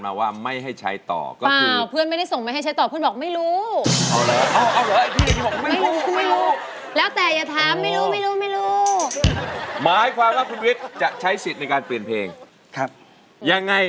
ขอจงช่วยลูกสะพดให้มีมนต์พัง